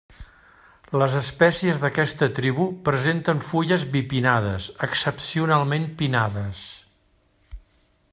Les espècies d'aquesta tribu presenten fulles bipinnades, excepcionalment pinnades.